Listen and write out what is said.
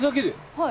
はい。